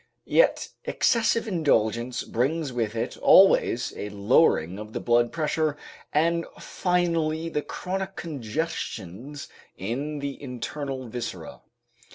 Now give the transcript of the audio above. Yet excessive indulgence brings with it always a lowering of the blood pressure and finally the chronic congestions in the internal viscera.